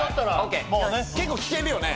結構聴けるよね？